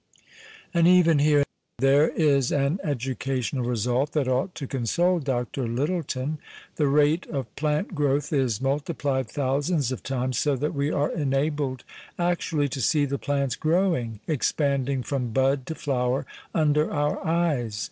And even here there is an educational result that ought to console Dr. Lyttelton. The rate of plant growth is multi plied thousands of times so that we are enabled actually to see the plants growing, expanding from bud to flower under our eyes.